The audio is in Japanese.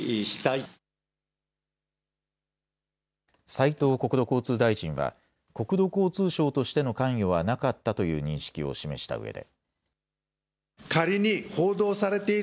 斉藤国土交通大臣は国土交通省としての関与はなかったという認識を示したうえで。